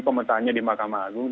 pemetaannya di makam agung